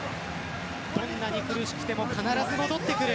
どんなに苦しくても必ず戻ってくる。